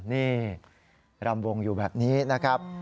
นี่รำวงอยู่แบบนี้นะครับ